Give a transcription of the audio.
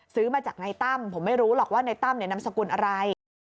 ซื้อมาจากนายตั้มผมไม่รู้หรอกว่านายตั้มเนี่ยนำสกุลอะไร